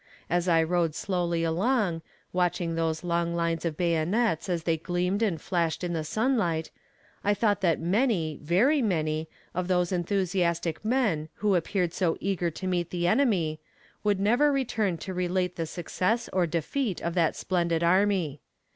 As I rode slowly along, watching those long lines of bayonets as they gleamed and flashed in the sunlight, I thought that many, very many, of those enthusiastic men who appeared so eager to meet the enemy, would never return to relate the success or defeat of that splendid army.